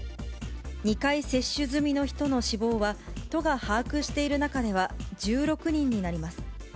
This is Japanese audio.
２回接種済みの人の死亡は、都が把握している中では１６人になります。